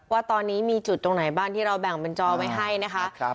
ว่าตอนนี้มีจุดตรงไหนบ้างที่เราแบ่งเป็นจอไว้ให้นะคะ